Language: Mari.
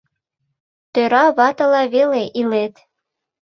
Тӧра ватыла веле илет.